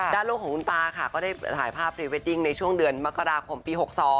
ลูกของคุณตาค่ะก็ได้ถ่ายภาพพรีเวดดิ้งในช่วงเดือนมกราคมปี๖๒